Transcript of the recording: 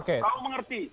kau dengar kau mengerti